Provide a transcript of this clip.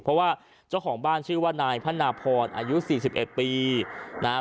เพราะว่าเจ้าของบ้านชื่อว่านายพนาพรอายุ๔๑ปีนะครับ